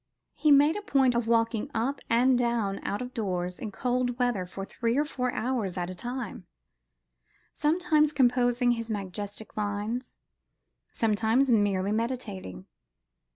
He made a point of walking up and down out of doors, in cold weather, for three or four hours at a time, sometimes composing his majestic lines, sometimes merely meditating.